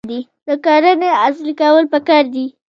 د کرنې عصري کول پکار دي.